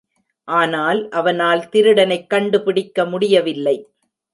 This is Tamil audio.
ஆனால், அவனால் திருடனைக் கண்டுபிடிக்க முடியவில்லை.